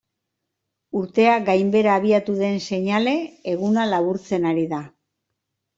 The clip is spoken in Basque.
Urtea gainbehera abiatu den seinale, eguna laburtzen ari da.